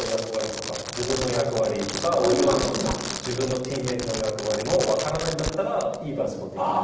自分の役割とか自分のチームメートの役割も分からないんだったらいいバスケットボールできない。